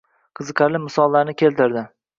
Qiziqarli misollarni keltirdi